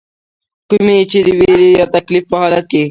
کومي چې د ويرې يا تکليف پۀ حالت کښې